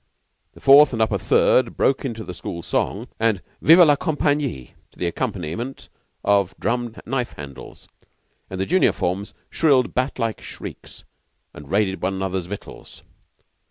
The Fourth and Upper Third broke into the school song, the "Vive la Compagnie," to the accompaniment of drumming knife handles; and the junior forms shrilled bat like shrieks and raided one another's victuals.